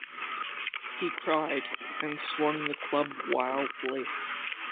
He cried, and swung the club wildly.